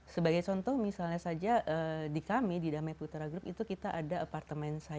sebagai contoh misalnya saja di kami di damai putra group itu kita ada apartemen saya